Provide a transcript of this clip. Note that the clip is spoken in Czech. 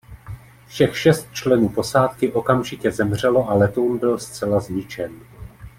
Všech šest členů posádky okamžitě zemřelo a letoun byl zcela zničen.